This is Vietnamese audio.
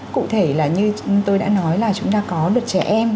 cụ thể là như tôi đã nói là chúng ta có được trẻ em